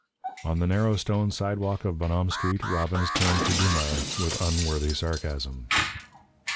On the narrow stone sidewalk of Bonhomme Street, Robbins turned to Dumars, with unworthy sarcasm.